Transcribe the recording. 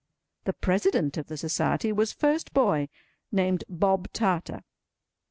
The President of the Society was First boy, named Bob Tarter.